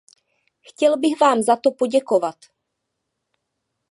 Chtěl bych vám za to poděkovat.